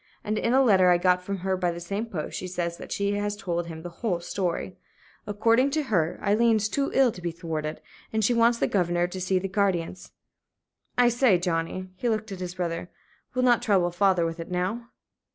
And in a letter I got from her by the same post, she says that she has told him the whole story. According to her, Aileen's too ill to be thwarted, and she wants the governor to see the guardians. I say, Johnnie" he looked at his brother "we'll not trouble the father with it now?"